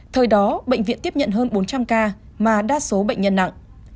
thời đó bệnh viện tiếp nhận hơn bốn trăm linh ca mà đa số bệnh nhân nặng